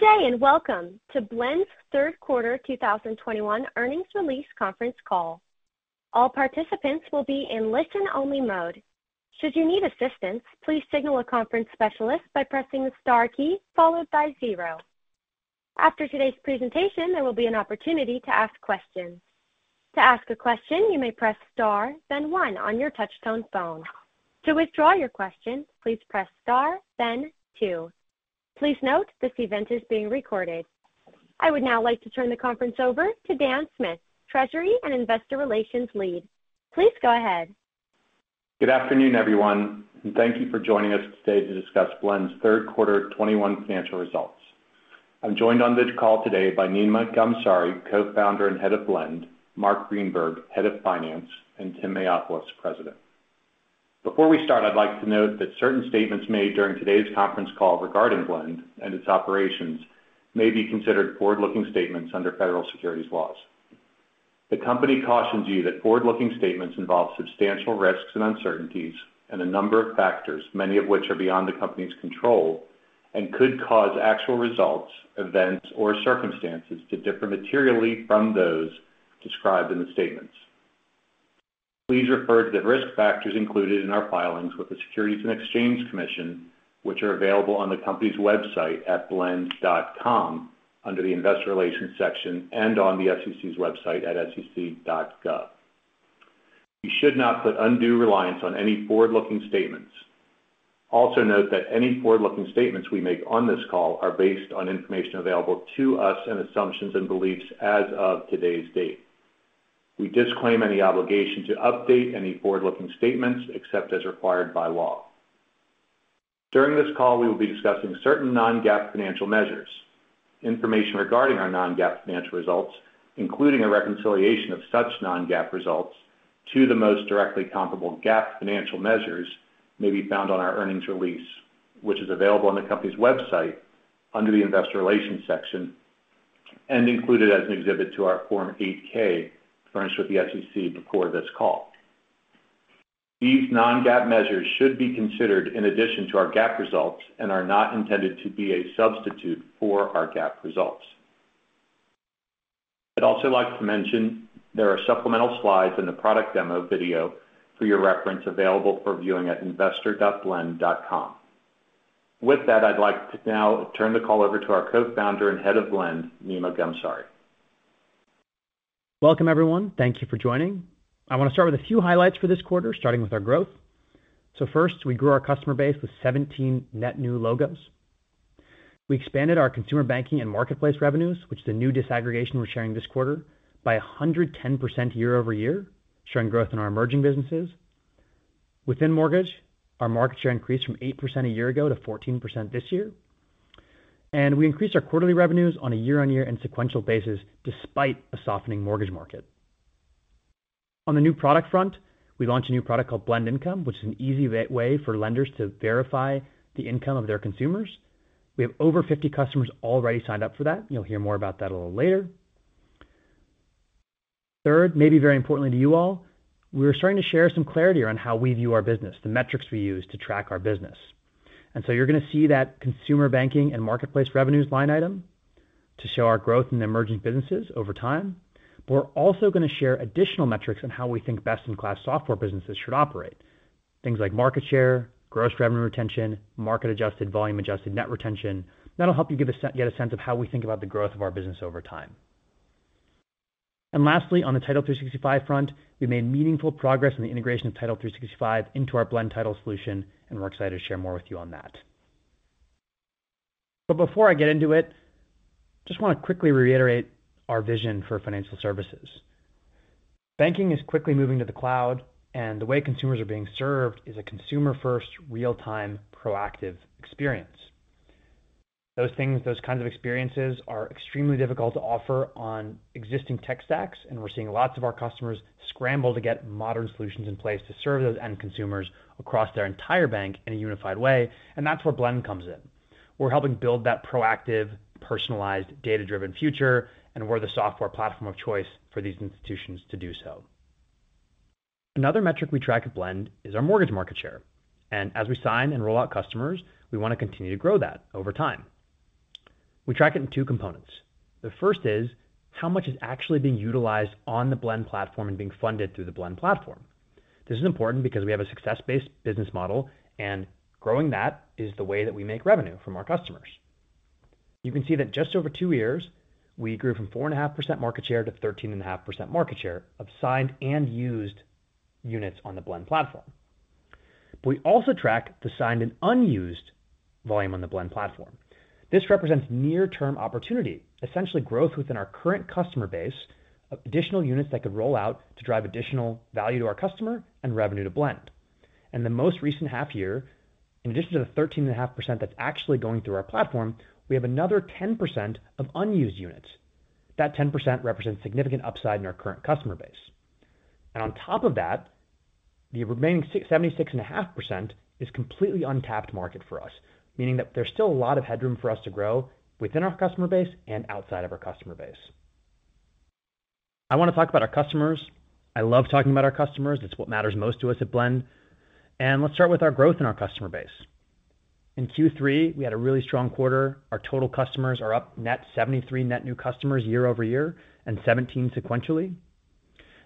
Good day, and welcome to Blend's Third Quarter 2021 Earnings Release Conference Call. All participants will be in listen-only mode. Should you need assistance, please signal a conference specialist by pressing the star key followed by zero. After today's presentation, there will be an opportunity to ask questions. To ask a question, you may press star, then one on your touch-tone phone. To withdraw your question, please press star, then two. Please note, this event is being recorded. I would now like to turn the conference over to Dan Smith, Treasury and Investor Relations Lead. Please go ahead. Good afternoon, everyone, and thank you for joining us today to discuss Blend's third quarter 2021 financial results. I'm joined on this call today by Nima Ghamsari, Co-Founder and Head of Blend, Marc Greenberg, Head of Finance, and Tim Mayopoulos, President. Before we start, I'd like to note that certain statements made during today's conference call regarding Blend and its operations may be considered forward-looking statements under Federal Securities Laws. The company cautions you that forward-looking statements involve substantial risks and uncertainties and a number of factors, many of which are beyond the company's control and could cause actual results, events, or circumstances to differ materially from those described in the statements. Please refer to the risk factors included in our filings with the Securities and Exchange Commission, which are available on the company's website at blend.com under the Investor Relations section and on the SEC's website at sec.gov. You should not put undue reliance on any forward-looking statements. Also note that any forward-looking statements we make on this call are based on information available to us and assumptions and beliefs as of today's date. We disclaim any obligation to update any forward-looking statements except as required by law. During this call, we will be discussing certain non-GAAP financial measures. Information regarding our non-GAAP financial results, including a reconciliation of such non-GAAP results to the most directly comparable GAAP financial measures, may be found on our earnings release, which is available on the company's website under the Investor Relations section and included as an exhibit to our Form 8-K furnished with the SEC before this call. These non-GAAP measures should be considered in addition to our GAAP results and are not intended to be a substitute for our GAAP results. I'd also like to mention there are supplemental slides in the product demo video for your reference available for viewing at investor.blend.com. With that, I'd like to now turn the call over to our Co-Founder and Head of Blend, Nima Ghamsari. Welcome, everyone. Thank you for joining. I want to start with a few highlights for this quarter, starting with our growth. First, we grew our customer base with 17 net new logos. We expanded our consumer banking and marketplace revenues, which is a new disaggregation we're sharing this quarter, by 110% year-over-year, showing growth in our emerging businesses. Within mortgage, our market share increased from 8% a year ago to 14% this year. We increased our quarterly revenues on a year-over-year and sequential basis despite a softening mortgage market. On the new product front, we launched a new product called Blend Income, which is an easy way for lenders to verify the income of their consumers. We have over 50 customers already signed up for that. You'll hear more about that a little later. Third, maybe very importantly to you all, we're starting to share some clarity around how we view our business, the metrics we use to track our business. You're going to see that consumer banking and marketplace revenues line item to show our growth in emerging businesses over time. We're also going to share additional metrics on how we think best-in-class software businesses should operate. Things like market share, gross revenue retention, market-adjusted, volume-adjusted net retention. That'll help you get a sense of how we think about the growth of our business over time. Lastly, on the Title365 front, we've made meaningful progress in the integration of Title365 into our Blend Title solution, and we're excited to share more with you on that. Before I get into it, I just want to quickly reiterate our vision for financial services. Banking is quickly moving to the cloud, and the way consumers are being served is a consumer-first, real-time, proactive experience. Those things, those kinds of experiences are extremely difficult to offer on existing tech stacks, and we're seeing lots of our customers scramble to get modern solutions in place to serve those end consumers across their entire bank in a unified way, and that's where Blend comes in. We're helping build that proactive, personalized, data-driven future, and we're the software platform of choice for these institutions to do so. Another metric we track at Blend is our mortgage market share. As we sign and roll out customers, we want to continue to grow that over time. We track it in two components. The first is how much is actually being utilized on the Blend Platform and being funded through the Blend Platform. This is important because we have a success-based business model, and growing that is the way that we make revenue from our customers. You can see that just over two years, we grew from 4.5% market share to 13.5% market share of signed and used units on the Blend platform. We also track the signed and unused volume on the Blend platform. This represents near-term opportunity, essentially growth within our current customer base of additional units that could roll out to drive additional value to our customer and revenue to Blend. In the most recent half year, in addition to the 13.5% that's actually going through our platform, we have another 10% of unused units. That 10% represents significant upside in our current customer base. On top of that, the remaining 76.5% is completely untapped market for us, meaning that there's still a lot of headroom for us to grow within our customer base and outside of our customer base. I want to talk about our customers. I love talking about our customers. It's what matters most to us at Blend. Let's start with our growth in our customer base. In Q3, we had a really strong quarter. Our total customers are up 73 net new customers year-over-year and 17 sequentially.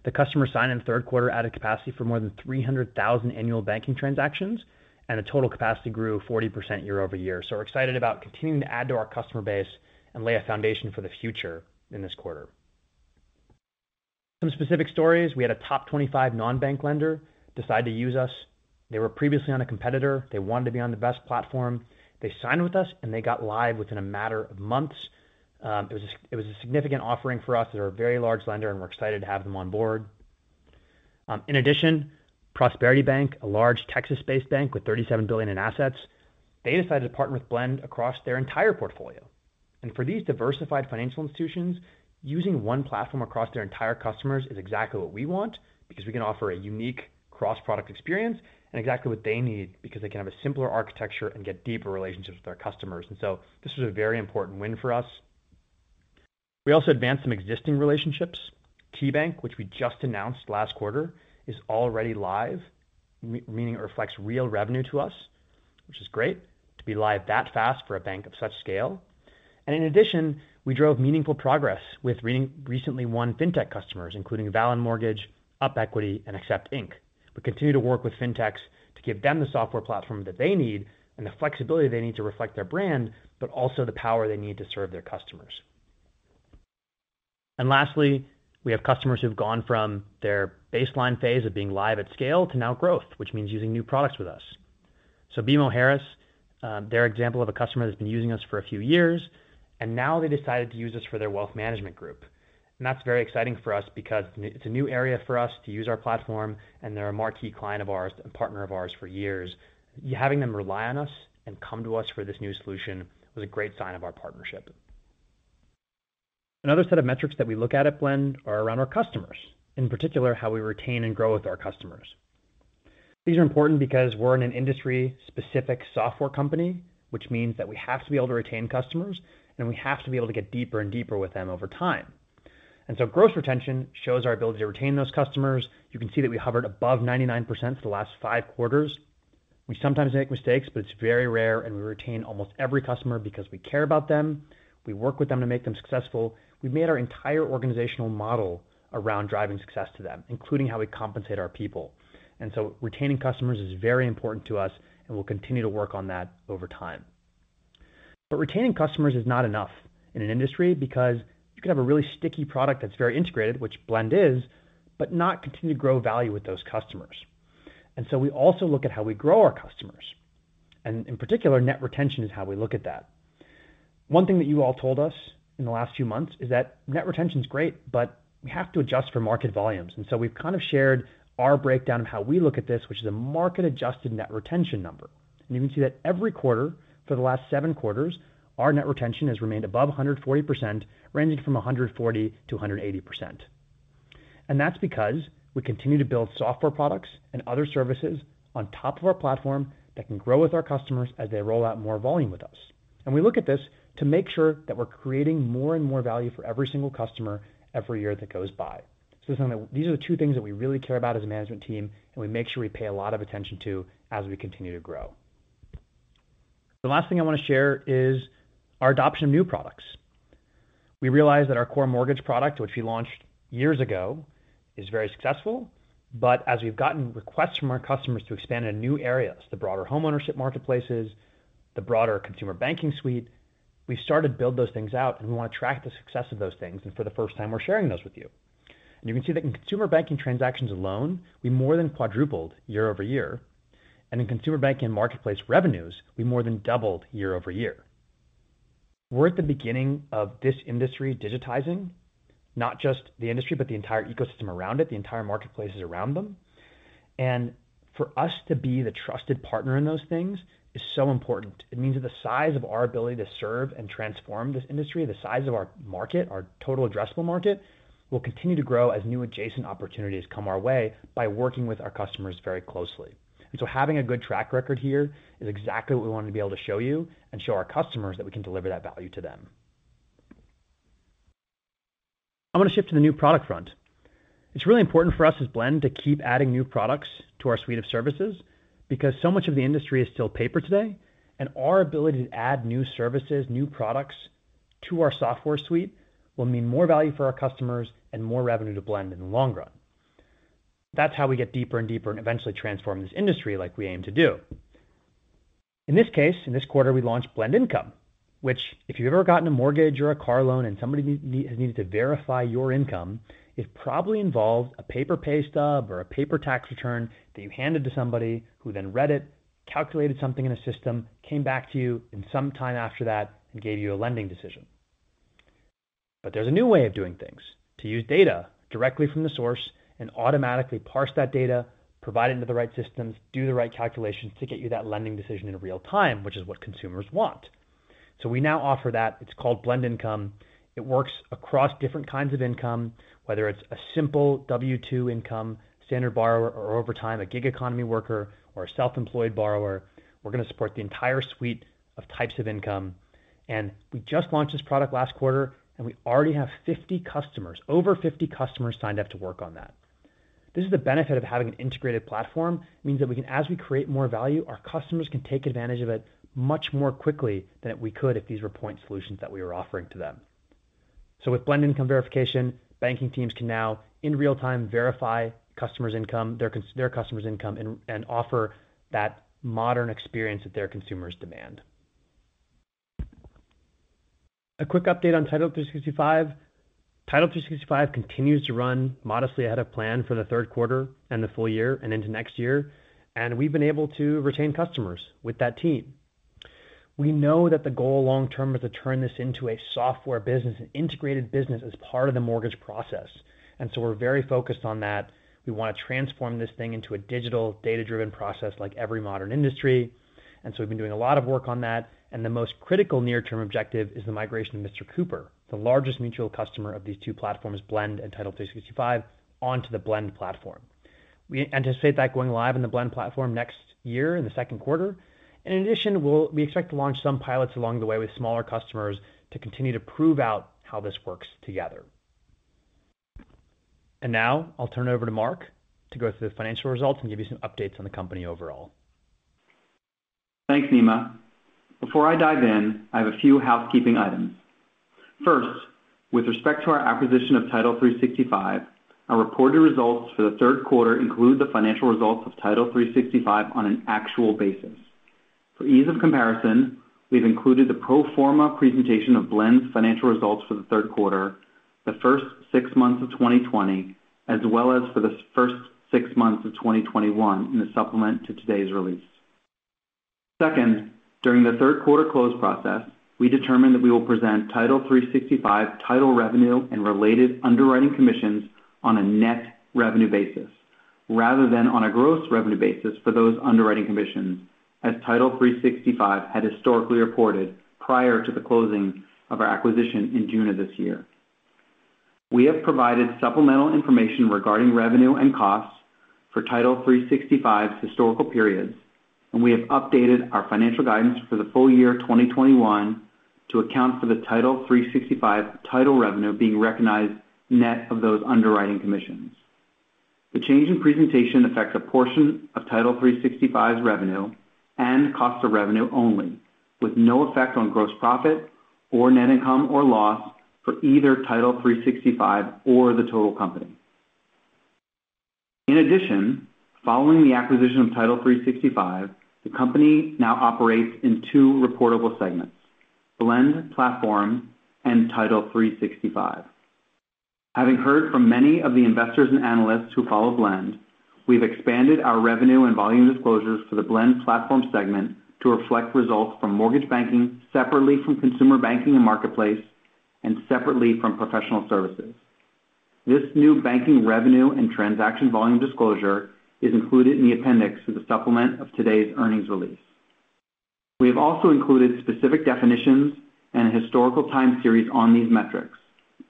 The customers signed in the third quarter added capacity for more than 300,000 annual banking transactions, and the total capacity grew 40% year-over-year. We're excited about continuing to add to our customer base and lay a foundation for the future in this quarter. Some specific stories. We had a top 25 non-bank lender decide to use us. They were previously on a competitor. They wanted to be on the best platform. They signed with us, and they got live within a matter of months. It was a significant offering for us. They're a very large lender, and we're excited to have them on board. In addition, Prosperity Bank, a large Texas-based bank with $37 billion in assets, decided to partner with Blend across their entire portfolio. For these diversified financial institutions, using one platform across their entire customers is exactly what we want because we can offer a unique cross-product experience and exactly what they need because they can have a simpler architecture and get deeper relationships with their customers. This was a very important win for us. We also advanced some existing relationships. KeyBank, which we just announced last quarter, is already live, meaning it reflects real revenue to us, which is great to be live that fast for a bank of such scale. In addition, we drove meaningful progress with recently won fintech customers, including Valon Mortgage, UpEquity, and Accept.inc. We continue to work with fintechs to give them the software platform that they need and the flexibility they need to reflect their brand, but also the power they need to serve their customers. Lastly, we have customers who've gone from their baseline phase of being live at scale to now growth, which means using new products with us. BMO Harris, they're an example of a customer that's been using us for a few years, and now they decided to use us for their wealth management group. That's very exciting for us because it's a new area for us to use our platform, and they're a marquee client of ours and partner of ours for years. Having them rely on us and come to us for this new solution was a great sign of our partnership. Another set of metrics that we look at at Blend are around our customers, in particular, how we retain and grow with our customers. These are important because we're in an industry-specific software company, which means that we have to be able to retain customers, and we have to be able to get deeper and deeper with them over time. Gross retention shows our ability to retain those customers. You can see that we hovered above 99% for the last five quarters. We sometimes make mistakes, but it's very rare, and we retain almost every customer because we care about them. We work with them to make them successful. We've made our entire organizational model around driving success to them, including how we compensate our people. Retaining customers is very important to us, and we'll continue to work on that over time. Retaining customers is not enough in an industry because you could have a really sticky product that's very integrated, which Blend is, but not continue to grow value with those customers. We also look at how we grow our customers, and in particular, net retention is how we look at that. One thing that you all told us in the last few months is that net retention's great, but we have to adjust for market volumes. We've kind of shared our breakdown of how we look at this, which is a market-adjusted net retention number. You can see that every quarter for the last seven quarters, our net retention has remained above 140%, ranging from 140%-180%. That's because we continue to build software products and other services on top of our platform that can grow with our customers as they roll out more volume with us. We look at this to make sure that we're creating more and more value for every single customer every year that goes by. These are the two things that we really care about as a management team and we make sure we pay a lot of attention to as we continue to grow. The last thing I want to share is our adoption of new products. We realize that our core mortgage product, which we launched years ago, is very successful. As we've gotten requests from our customers to expand into new areas, the broader homeownership marketplaces, the broader consumer banking suite, we started to build those things out, and we want to track the success of those things. For the first time, we're sharing those with you. You can see that in consumer banking transactions alone, we more than quadrupled year-over-year. In consumer banking marketplace revenues, we more than doubled year-over-year. We're at the beginning of this industry digitizing, not just the industry, but the entire ecosystem around it, the entire marketplaces around them. For us to be the trusted partner in those things is so important. It means that the size of our ability to serve and transform this industry, the size of our market, our total addressable market, will continue to grow as new adjacent opportunities come our way by working with our customers very closely. Having a good track record here is exactly what we want to be able to show you and show our customers that we can deliver that value to them. I'm going to shift to the new product front. It's really important for us as Blend to keep adding new products to our suite of services because so much of the industry is still paper today, and our ability to add new services, new products to our software suite will mean more value for our customers and more revenue to Blend in the long run. That's how we get deeper and deeper and eventually transform this industry like we aim to do. In this case, in this quarter, we launched Blend Income, which if you've ever gotten a mortgage or a car loan and somebody has needed to verify your income, it probably involved a paper pay stub or a paper tax return that you handed to somebody who then read it, calculated something in a system, came back to you in some time after that, and gave you a lending decision. There's a new way of doing things, to use data directly from the source and automatically parse that data, provide it into the right systems, do the right calculations to get you that lending decision in real time, which is what consumers want. We now offer that. It's called Blend Income. It works across different kinds of income, whether it's a simple W-2 income standard borrower or over time, a gig economy worker or a self-employed borrower. We're going to support the entire suite of types of income. We just launched this product last quarter, and we already have 50 customers, over 50 customers signed up to work on that. This is the benefit of having an integrated platform, means that we can, as we create more value, our customers can take advantage of it much more quickly than we could if these were point solutions that we were offering to them. So with Blend Income Verification, banking teams can now, in real time, verify customers' income, their customers' income, and offer that modern experience that their consumers demand. A quick update on Title365. Title365 continues to run modestly ahead of plan for the third quarter and the full year and into next year, and we've been able to retain customers with that team. We know that the goal long term is to turn this into a software business, an integrated business as part of the mortgage process. We're very focused on that. We wanna transform this thing into a digital data-driven process like every modern industry. We've been doing a lot of work on that, and the most critical near term objective is the migration of Mr. Cooper, the largest mutual customer of these two platforms, Blend and Title365, onto the Blend platform. We anticipate that going live in the Blend platform next year in the second quarter. In addition, we expect to launch some pilots along the way with smaller customers to continue to prove out how this works together. Now I'll turn it over to Marc to go through the financial results and give you some updates on the company overall. Thanks, Nima. Before I dive in, I have a few housekeeping items. First, with respect to our acquisition of Title365, our reported results for the third quarter include the financial results of Title365 on an actual basis. For ease of comparison, we've included the pro forma presentation of Blend's financial results for the third quarter, the first six months of 2020, as well as for the first six months of 2021 in the supplement to today's release. Second, during the third quarter close process, we determined that we will present Title365 title revenue and related underwriting commissions on a net revenue basis rather than on a gross revenue basis for those underwriting commissions as Title365 had historically reported prior to the closing of our acquisition in June of this year. We have provided supplemental information regarding revenue and costs for Title365's historical periods, and we have updated our financial guidance for the full year 2021 to account for the Title365 title revenue being recognized net of those underwriting commissions. The change in presentation affects a portion of Title365's revenue and cost of revenue only, with no effect on gross profit or net income or loss for either Title365 or the total company. In addition, following the acquisition of Title365, the company now operates in two reportable segments, Blend Platform and Title365. Having heard from many of the investors and analysts who follow Blend, we've expanded our revenue and volume disclosures for the Blend Platform segment to reflect results from mortgage banking separately from consumer banking and marketplace and separately from professional services. This new banking revenue and transaction volume disclosure is included in the appendix to the supplement of today's earnings release. We have also included specific definitions and a historical time series on these metrics.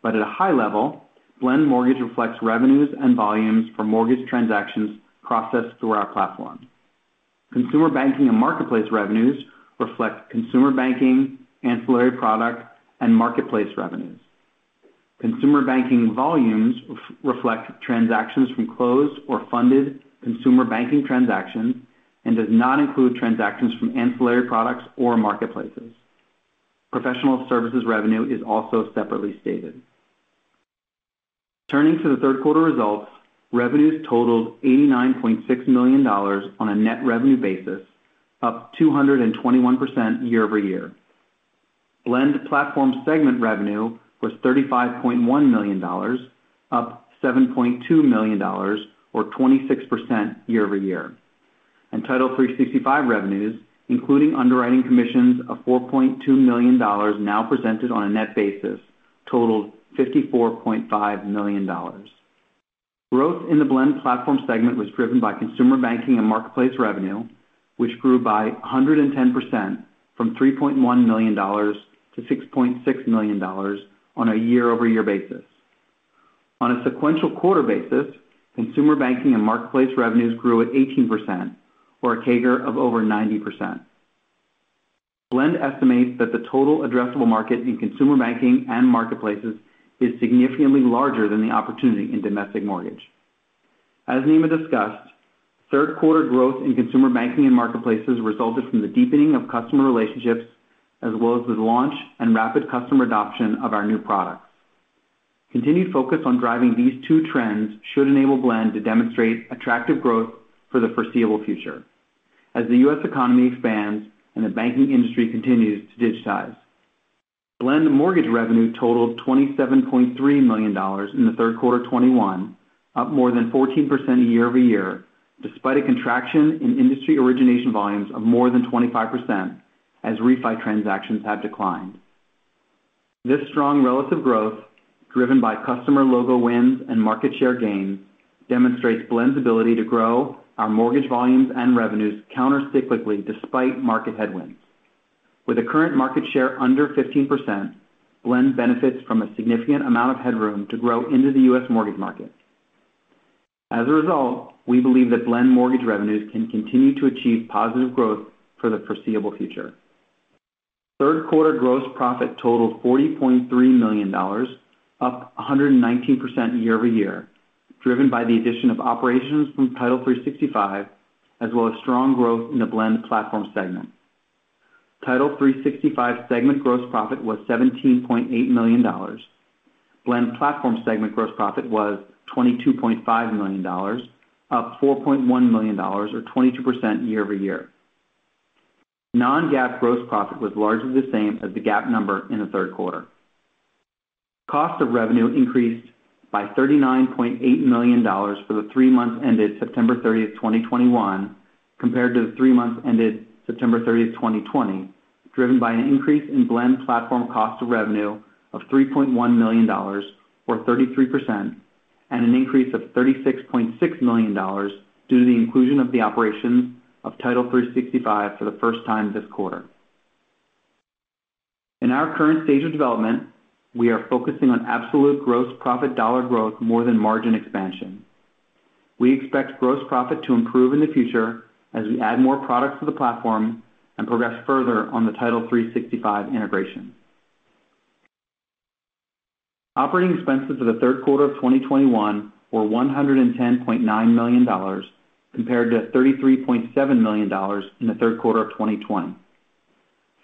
At a high level, Blend Mortgage reflects revenues and volumes for mortgage transactions processed through our platform. Consumer banking and marketplace revenues reflect consumer banking, ancillary product, and marketplace revenues. Consumer banking volumes reflect transactions from closed or funded consumer banking transactions and does not include transactions from ancillary products or marketplaces. Professional services revenue is also separately stated. Turning to the third quarter results, revenues totaled $89.6 million on a net revenue basis, up 221% year-over-year. Blend Platform segment revenue was $35.1 million, up $7.2 million or 26% year-over-year. Title365 revenues, including underwriting commissions of $4.2 million now presented on a net basis, totaled $54.5 million. Growth in the Blend platform segment was driven by consumer banking and marketplace revenue, which grew by 110% from $3.1 million to $6.6 million on a year-over-year basis. On a sequential quarter basis, consumer banking and marketplace revenues grew at 18% or a CAGR of over 90%. Blend estimates that the total addressable market in consumer banking and marketplaces is significantly larger than the opportunity in domestic mortgage. As Nima discussed, third quarter growth in consumer banking and marketplaces resulted from the deepening of customer relationships as well as the launch and rapid customer adoption of our new products. Continued focus on driving these two trends should enable Blend to demonstrate attractive growth for the foreseeable future as the U.S. economy expands and the banking industry continues to digitize. Blend mortgage revenue totaled $27.3 million in the third quarter 2021, up more than 14% year-over-year, despite a contraction in industry origination volumes of more than 25% as refi transactions have declined. This strong relative growth, driven by customer logo wins and market share gains, demonstrates Blend's ability to grow our mortgage volumes and revenues countercyclically despite market headwinds. With a current market share under 15%, Blend benefits from a significant amount of headroom to grow into the U.S. mortgage market. As a result, we believe that Blend mortgage revenues can continue to achieve positive growth for the foreseeable future. Third quarter gross profit totaled $40.3 million, up 119% year-over-year, driven by the addition of operations from Title365, as well as strong growth in the Blend Platform segment. Title365 segment gross profit was $17.8 million. Blend Platform segment gross profit was $22.5 million, up $4.1 million or 22% year-over-year. Non-GAAP gross profit was largely the same as the GAAP number in the third quarter. Cost of revenue increased by $39.8 million for the three months ended September 30, 2021 compared to the three months ended September 30, 2020, driven by an increase in Blend Platform cost of revenue of $3.1 million or 33%, and an increase of $36.6 million due to the inclusion of the operations of Title365 for the first time this quarter. In our current stage of development, we are focusing on absolute gross profit dollar growth more than margin expansion. We expect gross profit to improve in the future as we add more products to the platform and progress further on the Title365 integration. Operating expenses for the third quarter of 2021 were $110.9 million compared to $33.7 million in the third quarter of 2020.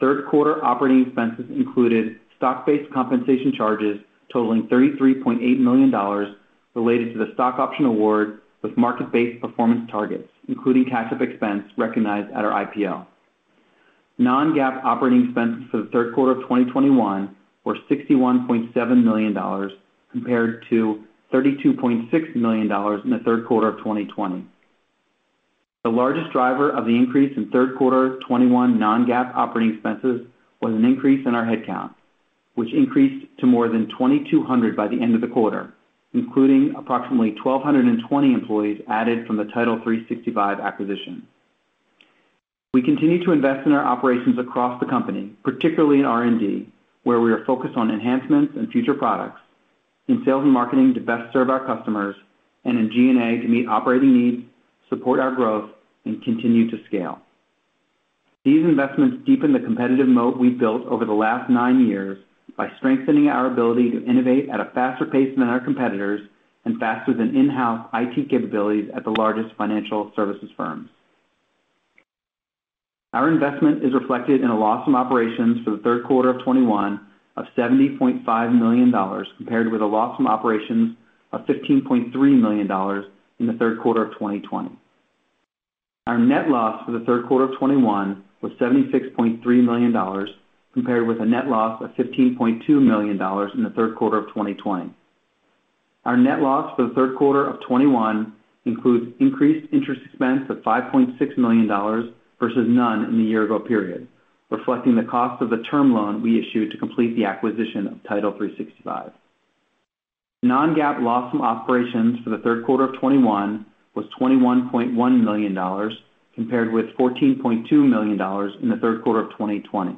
Third quarter operating expenses included stock-based compensation charges totaling $33.8 million related to the stock option award with market-based performance targets, including cost of expense recognized at our IPO. Non-GAAP operating expenses for the third quarter of 2021 were $61.7 million compared to $32.6 million in the third quarter of 2020. The largest driver of the increase in third quarter 2021 non-GAAP operating expenses was an increase in our headcount, which increased to more than 2,200 by the end of the quarter, including approximately 1,220 employees added from the Title365 acquisition. We continue to invest in our operations across the company, particularly in R&D, where we are focused on enhancements and future products, in sales and marketing to best serve our customers, and in G&A to meet operating needs, support our growth, and continue to scale. These investments deepen the competitive moat we've built over the last nine years by strengthening our ability to innovate at a faster pace than our competitors and faster than in-house IT capabilities at the largest financial services firms. Our investment is reflected in a loss from operations for the third quarter of 2021 of $70.5 million, compared with a loss from operations of $15.3 million in the third quarter of 2020. Our net loss for the third quarter of 2021 was $76.3 million, compared with a net loss of $15.2 million in the third quarter of 2020. Our net loss for the third quarter of 2021 includes increased interest expense of $5.6 million versus none in the year ago period, reflecting the cost of the term loan we issued to complete the acquisition of Title365. Non-GAAP loss from operations for the third quarter of 2021 was $21.1 million, compared with $14.2 million in the third quarter of 2020.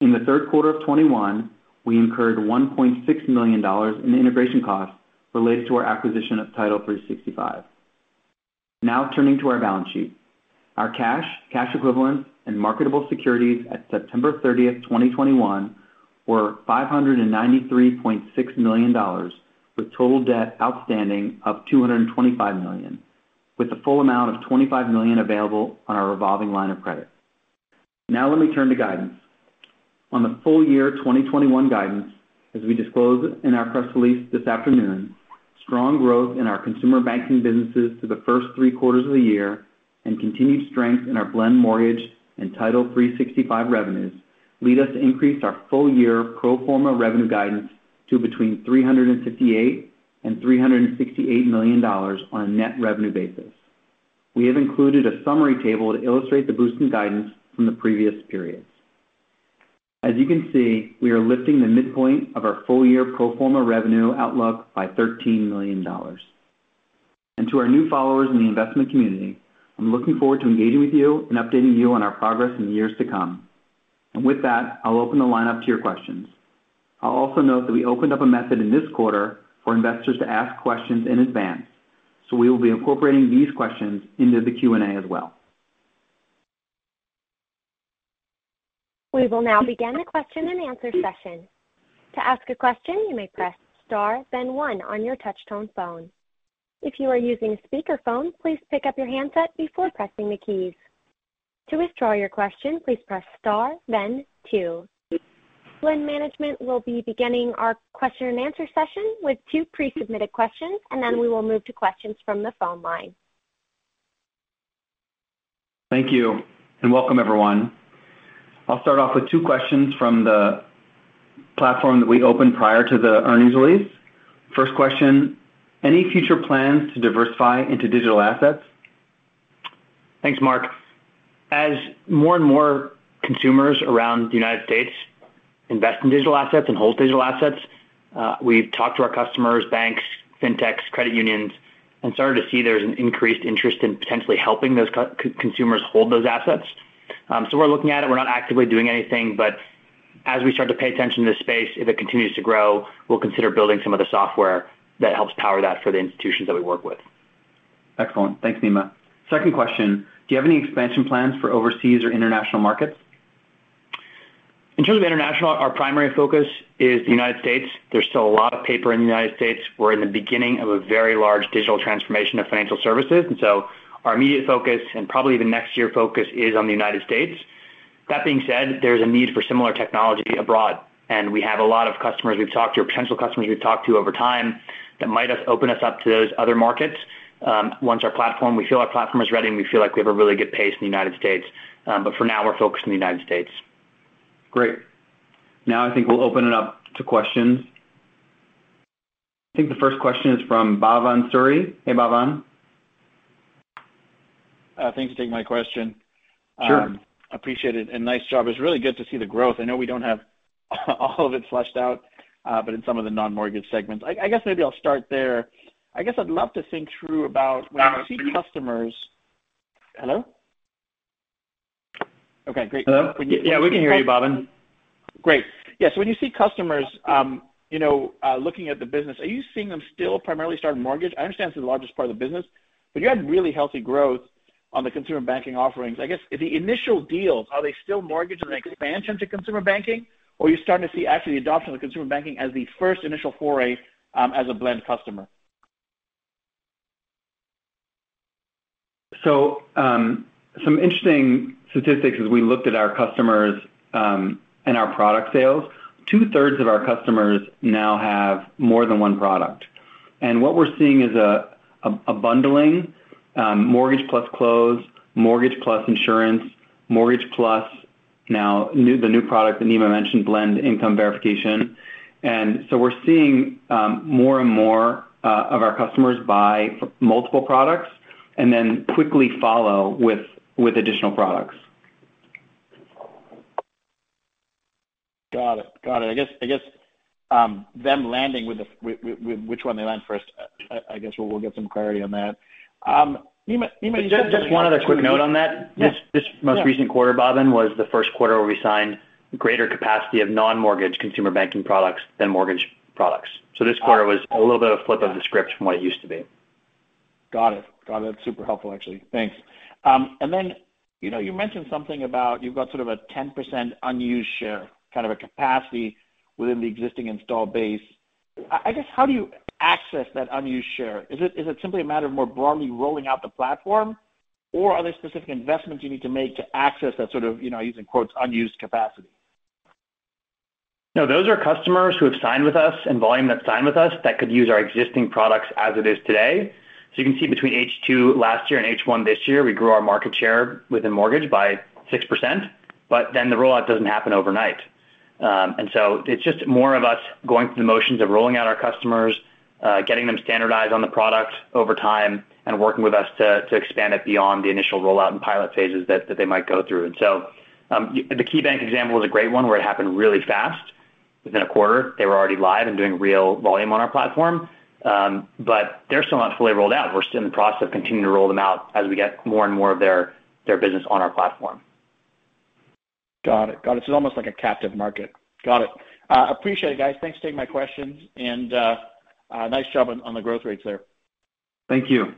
In the third quarter of 2021, we incurred $1.6 million in integration costs related to our acquisition of Title365. Now turning to our balance sheet. Our cash equivalents, and marketable securities at September 30, 2021 were $593.6 million, with total debt outstanding of $225 million, with the full amount of $25 million available on our revolving line of credit. Now let me turn to guidance. On the full year 2021 guidance, as we disclosed in our press release this afternoon, strong growth in our consumer banking businesses through the first three quarters of the year and continued strength in our Blend mortgage and Title365 revenues lead us to increase our full year pro forma revenue guidance to between $358 million and $368 million on a net revenue basis. We have included a summary table to illustrate the boost in guidance from the previous periods. As you can see, we are lifting the midpoint of our full year pro forma revenue outlook by $13 million. To our new followers in the investment community, I'm looking forward to engaging with you and updating you on our progress in the years to come. With that, I'll open the line up to your questions. I'll also note that we opened up a method in this quarter for investors to ask questions in advance, so we will be incorporating these questions into the Q&A as well. We will now begin the question and answer session. To ask a question, you may press star then one on your touch-tone phone. If you are using a speakerphone, please pick up your handset before pressing the keys. To withdraw your question, please press star then two. Blend management will be beginning our question and answer session with two pre-submitted questions, and then we will move to questions from the phone line. Thank you and welcome, everyone. I'll start off with two questions from the platform that we opened prior to the earnings release. First question, any future plans to diversify into digital assets? Thanks, Marc. As more and more consumers around the United States invest in digital assets and hold digital assets, we've talked to our customers, banks, fintechs, credit unions, and started to see there's an increased interest in potentially helping those consumers hold those assets. We're looking at it. We're not actively doing anything, but as we start to pay attention to this space, if it continues to grow, we'll consider building some of the software that helps power that for the institutions that we work with. Excellent. Thanks, Nima. Second question, do you have any expansion plans for overseas or international markets? In terms of International, our primary focus is the United States. There's still a lot of paper in the United States. We're in the beginning of a very large digital transformation of financial services, and so our immediate focus, and probably even next year focus, is on the United States. That being said, there's a need for similar technology abroad, and we have a lot of customers we've talked to, or potential customers we've talked to over time that might open us up to those other markets, once our platform is ready. We feel our platform is ready, and we feel like we have a really good pace in the United States. For now, we're focused on the United States. Great. Now I think we'll open it up to questions. I think the first question is from Bhavan Suri. Hey, Bhavan. Thanks for taking my question. Appreciate it, and nice job. It's really good to see the growth. I know we don't have all of it fleshed out, but in some of the non-mortgage segments. I guess maybe I'll start there. I guess I'd love to think through about when you see customers. Hello? Okay, hello? Hello? Yeah, we can hear you, Bhavan. Great. Yeah, when you see customers, you know, looking at the business, are you seeing them still primarily start in mortgage? I understand it's the largest part of the business, but you had really healthy growth on the consumer banking offerings. I guess, the initial deals, are they still mortgage and expansion to consumer banking, or are you starting to see actually the adoption of consumer banking as the first initial foray, as a Blend customer? Some interesting statistics as we looked at our customers and our product sales. Two-thirds of our customers now have more than one product. What we're seeing is a bundling, mortgage plus close, mortgage plus insurance, mortgage plus the new product that Nima mentioned, Blend Income Verification. We're seeing more and more of our customers buy multiple products and then quickly follow with additional products. Got it. I guess them landing with which one they land first, I guess we'll get some clarity on that. Nima, you said- Just one other quick note on that. Yeah. This most recent quarter, Bhavan, was the first quarter where we signed greater capacity of non-mortgage consumer banking products than mortgage products. This quarter was a little bit of flip of the script from what it used to be. Got it. Super helpful, actually. Thanks. You know, you mentioned something about you've got sort of a 10% unused share, kind of a capacity within the existing installed base. I guess, how do you access that unused share? Is it simply a matter of more broadly rolling out the platform, or are there specific investments you need to make to access that sort of, you know, using quotes, "unused capacity"? No, those are customers who have signed with us and volume that's signed with us that could use our existing products as it is today. You can see between H2 last year and H1 this year, we grew our market share within mortgage by 6%, but then the rollout doesn't happen overnight. It's just more of us going through the motions of rolling out our customers, getting them standardized on the product over time and working with us to expand it beyond the initial rollout and pilot phases that they might go through. The KeyBank example is a great one where it happened really fast. Within a quarter, they were already live and doing real volume on our platform. They're still not fully rolled out. We're still in the process of continuing to roll them out as we get more and more of their business on our platform. Got it. It's almost like a captive market. Got it. Appreciate it, guys. Thanks for taking my questions. Nice job on the growth rates there. Thank you. I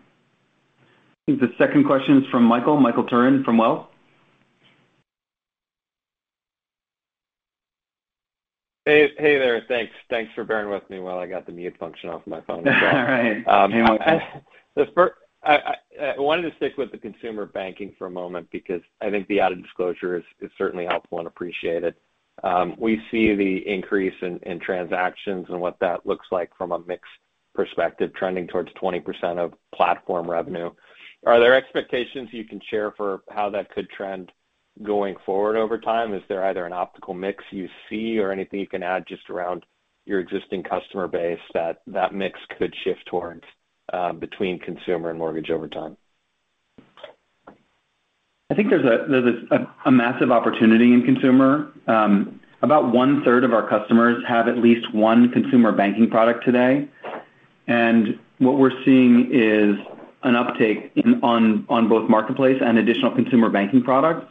think the second question is from Michael Turrin from Wells Fargo. Hey, there. Thanks for bearing with me while I got the mute function off my phone. All right. I wanted to stick with the consumer banking for a moment because I think the added disclosure is certainly helpful and appreciated. We see the increase in transactions and what that looks like from a mix perspective trending towards 20% of platform revenue. Are there expectations you can share for how that could trend going forward over time? Is there either an optimal mix you see or anything you can add just around your existing customer base that mix could shift towards between consumer and mortgage over time? I think there's a massive opportunity in consumer. About one-third of our customers have at least one consumer banking product today. What we're seeing is an uptake on both marketplace and additional consumer banking products,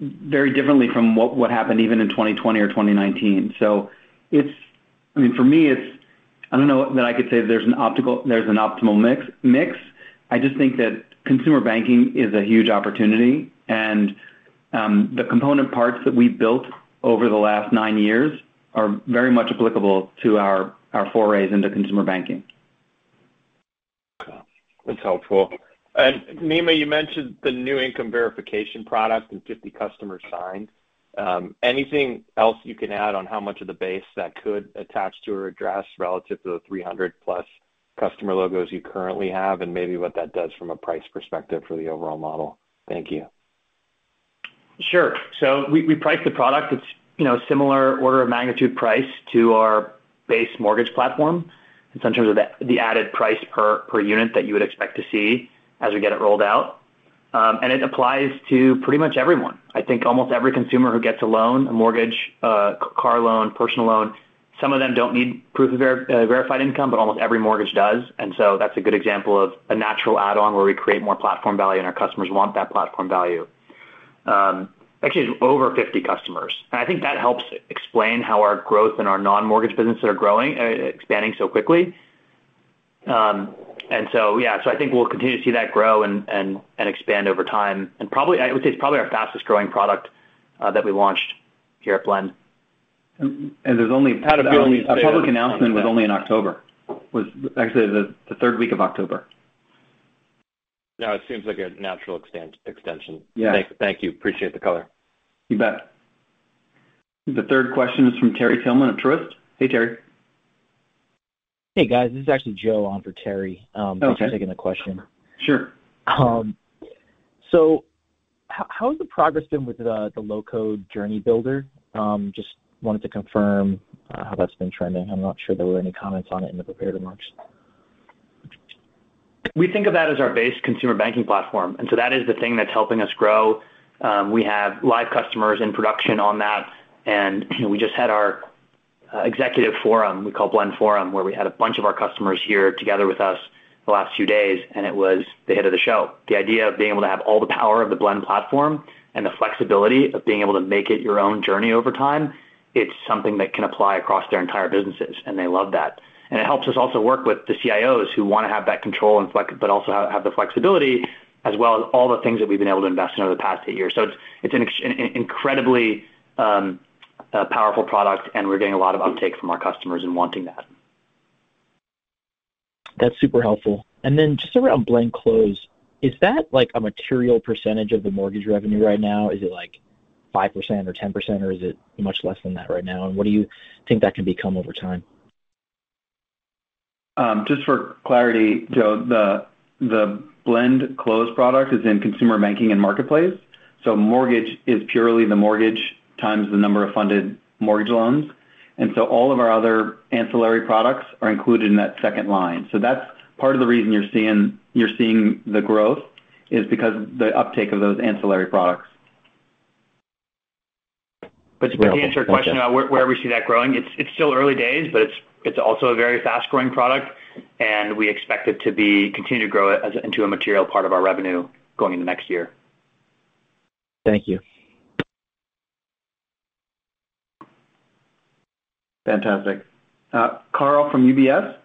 very differently from what happened even in 2020 or 2019. I mean, for me, it's, I don't know that I could say there's an optimal mix. I just think that consumer banking is a huge opportunity, and the component parts that we've built over the last nine years are very much applicable to our forays into consumer banking. Okay. That's helpful. Nima, you mentioned the new income verification product and 50 customers signed. Anything else you can add on how much of the base that could attach to or address relative to the 300 plus customer logos you currently have and maybe what that does from a price perspective for the overall model? Thank you. Sure. We priced the product. It's similar order of magnitude price to our base mortgage platform. It's in terms of the added price per unit that you would expect to see as we get it rolled out. It applies to pretty much everyone. I think almost every consumer who gets a loan, a mortgage, a car loan, personal loan. Some of them don't need proof of verified income, but almost every mortgage does. That's a good example of a natural add-on where we create more platform value, and our customers want that platform value. Actually, it's over 50 customers. I think that helps explain how our growth and our non-mortgage businesses are growing, expanding so quickly. I think we'll continue to see that grow and expand over time. Probably, I would say it's probably our fastest-growing product that we launched here at Blend. There's only- How do you feel? A public announcement was only in October, actually the third week of October. No, it seems like a natural extension. Thank you. Appreciate the color. You bet. The third question is from Terry Tillman at Truist. Hey, Terry. Hey, guys. This is actually Joe on for Terry. Okay. Thanks for taking the question. Sure. How has the progress been with the low-code journey builder? Just wanted to confirm how that's been trending. I'm not sure there were any comments on it in the prepared remarks. We think of that as our base consumer banking platform, and so that is the thing that's helping us grow. We have live customers in production on that. You know, we just had our executive forum, we call Blend Forum, where we had a bunch of our customers here together with us the last few days, and it was the hit of the show. The idea of being able to have all the power of the Blend Platform and the flexibility of being able to make it your own journey over time, it's something that can apply across their entire businesses, and they love that. It helps us also work with the CIOs who wanna have that control and flexibility, as well as all the things that we've been able to invest in over the past eight years. It's an incredibly powerful product, and we're getting a lot of uptake from our customers in wanting that. That's super helpful. Just around Blend Close, is that, like, a material percentage of the mortgage revenue right now? Is it, like, 5% or 10%, or is it much less than that right now? What do you think that can become over time? Just for clarity, Joe, the Blend Close product is in consumer banking and marketplace. Mortgage is purely the mortgage times the number of funded mortgage loans. All of our other ancillary products are included in that second line. That's part of the reason you're seeing the growth, is because the uptake of those ancillary products. To answer your question about where we see that growing, it's still early days, but it's also a very fast-growing product, and we expect it to continue to grow into a material part of our revenue going into next year. Thank you. Fantastic. Carl from UBS.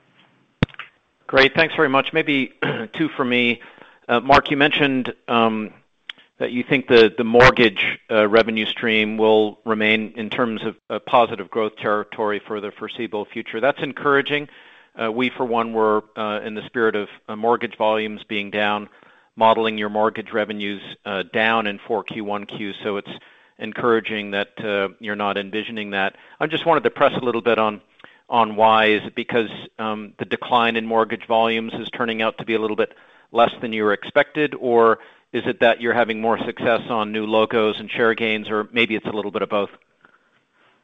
Great. Thanks very much. Maybe two for me. Marc, you mentioned that you think the mortgage revenue stream will remain in terms of positive growth territory for the foreseeable future. That's encouraging. We, for one, were in the spirit of mortgage volumes being down, modeling your mortgage revenues down in 4Q, 1Q. It's encouraging that you're not envisioning that. I just wanted to press a little bit on why. Is it because the decline in mortgage volumes is turning out to be a little bit less than you expected? Or is it that you're having more success on new logos and share gains, or maybe it's a little bit of both?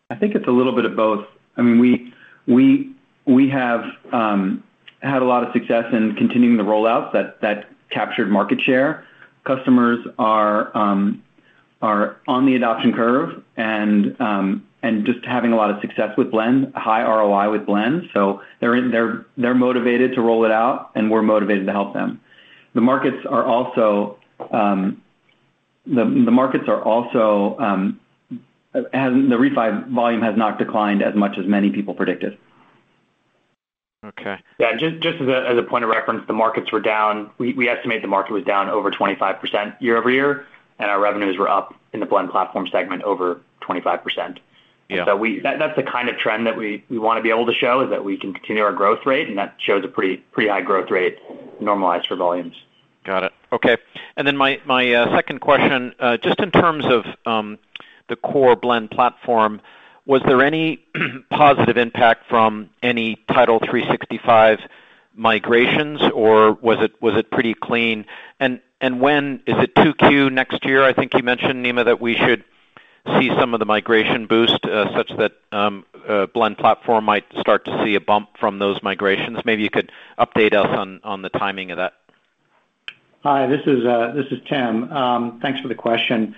I think it's a little bit of both. I mean, we have had a lot of success in continuing the rollout that captured market share. Customers are on the adoption curve and just having a lot of success with Blend, high ROI with Blend. They're motivated to roll it out, and we're motivated to help them. The markets are also. The refi volume has not declined as much as many people predicted. Okay. Yeah. Just as a point of reference, the markets were down, we estimate the market was down over 25% year-over-year, and our revenues were up in the Blend Platform segment over 25%. Yeah. That's the kind of trend that we wanna be able to show, is that we can continue our growth rate, and that shows a pretty high growth rate normalized for volumes. Got it. Okay. My second question. Just in terms of the core Blend Platform, was there any positive impact from any Title365 migrations, or was it pretty clean? Is it 2Q next year? I think you mentioned, Nima, that we should see some of the migration boost, such that Blend Platform might start to see a bump from those migrations. Maybe you could update us on the timing of that. Hi, this is Tim. Thanks for the question.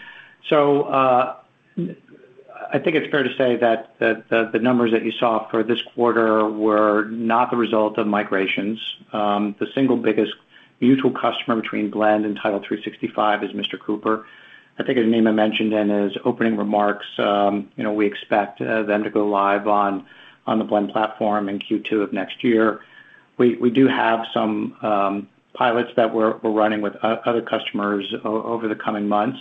I think it's fair to say that the numbers that you saw for this quarter were not the result of migrations. The single biggest mutual customer between Blend and Title365 is Mr. Cooper. I think as Nima mentioned in his opening remarks, you know, we expect them to go live on the Blend platform in Q2 of next year. We do have some pilots that we're running with other customers over the coming months.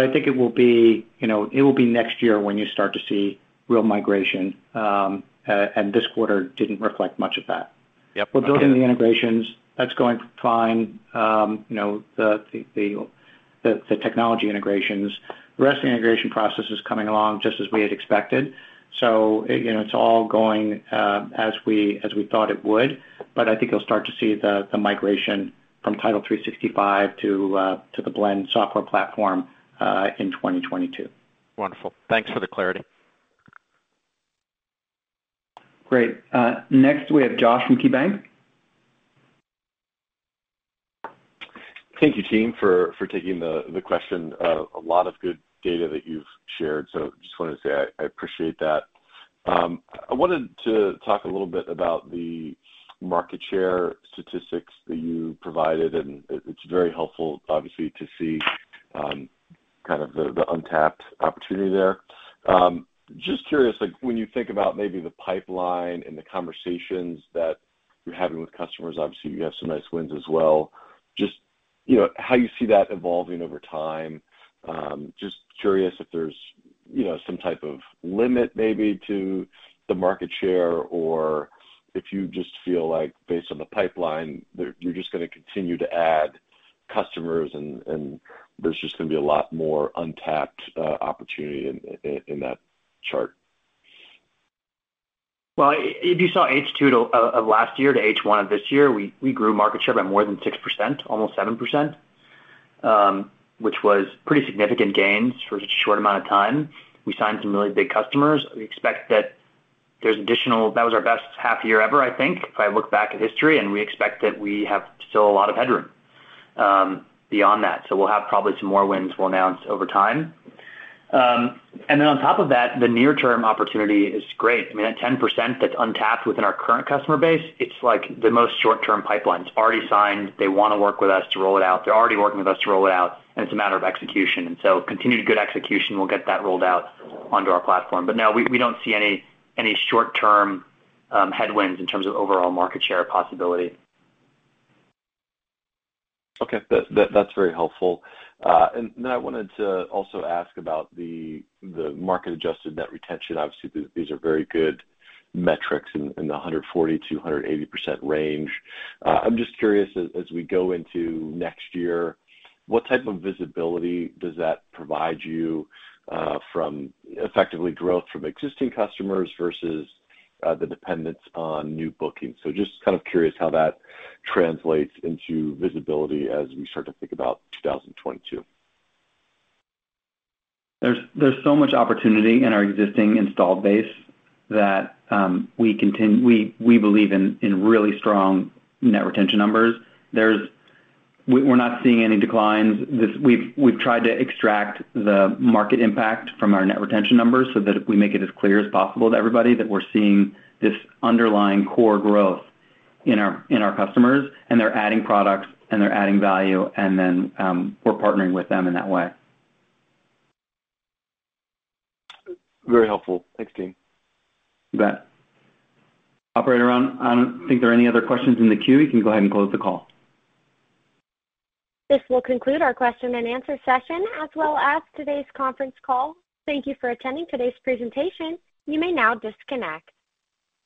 I think it will be, you know, next year when you start to see real migration, and this quarter didn't reflect much of that. Yep. Okay. We're building the integrations. That's going fine, you know, the technology integrations. The rest of the integration process is coming along just as we had expected. You know, it's all going as we thought it would. I think you'll start to see the migration from Title365 to the Blend software platform in 2022. Wonderful. Thanks for the clarity. Great. Next we have Josh from KeyBank. Thank you, team, for taking the question. A lot of good data that you've shared, so just wanted to say I appreciate that. I wanted to talk a little bit about the market share statistics that you provided, and it's very helpful obviously to see kind of the untapped opportunity there. Just curious, like when you think about maybe the pipeline and the conversations that you're having with customers, obviously you have some nice wins as well, just you know how you see that evolving over time. Just curious if there's you know some type of limit maybe to the market share or if you just feel like based on the pipeline that you're just gonna continue to add customers and there's just gonna be a lot more untapped opportunity in that chart. Well, if you saw H2 of last year to H1 of this year, we grew market share by more than 6%, almost 7%, which was pretty significant gains for such a short amount of time. We signed some really big customers. We expect that there's additional. That was our best half year ever, I think, if I look back at history, and we expect that we have still a lot of headroom beyond that. We'll have probably some more wins we'll announce over time. And then on top of that, the near term opportunity is great. I mean, at 10% that's untapped within our current customer base, it's like the most short-term pipelines already signed. They wanna work with us to roll it out. They're already working with us to roll it out, and it's a matter of execution. Continued good execution will get that rolled out onto our platform. No, we don't see any short-term headwinds in terms of overall market share possibility. That's very helpful. I wanted to also ask about the market-adjusted net retention. Obviously, these are very good metrics in the 140%-180% range. I'm just curious as we go into next year, what type of visibility does that provide you from effective growth from existing customers versus the dependence on new bookings? Just kind of curious how that translates into visibility as we start to think about 2022. There's so much opportunity in our existing installed base that we believe in really strong net retention numbers. We're not seeing any declines. We've tried to extract the market impact from our net retention numbers so that we make it as clear as possible to everybody that we're seeing this underlying core growth in our customers, and they're adding products, and they're adding value, and then we're partnering with them in that way. Very helpful. Thanks, team. You bet. Operator, I don't think there are any other questions in the queue. You can go ahead and close the call. This will conclude our question and answer session, as well as today's conference call. Thank you for attending today's presentation. You may now disconnect.